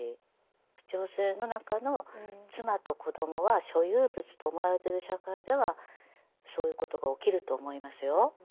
家父長制の中の妻と子どもは所有物と思われてる社会ではそういうことが起きると思いますよ。